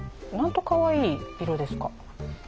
なんとかわいい色ですか！